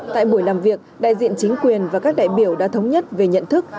tại buổi làm việc đại diện chính quyền và các đại biểu đã thống nhất về nhận thức